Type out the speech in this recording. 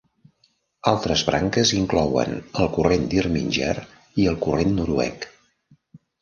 Altres branques inclouen el corrent d'Irminger i el corrent noruec.